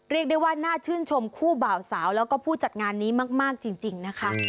เรียกได้ว่าน่าชื่นชมคู่บ่าวสาวแล้วก็ผู้จัดงานนี้มากจริงนะคะ